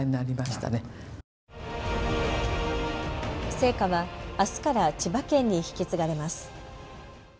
聖火はあすから千葉県に引き継がれます。